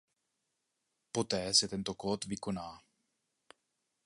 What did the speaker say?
Poté se tento kód vykoná.